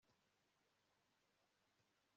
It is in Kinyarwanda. umunaniro. wari umunsi muremure cyane